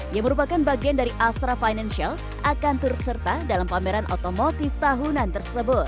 yang merupakan bagian dari astra financial akan turut serta dalam pameran otomotif tahunan tersebut